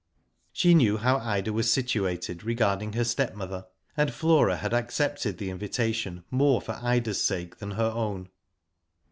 She knew how Ida was situated regarding her stepmother, and Flora had accepted the invitation more for Ida's sake than her own.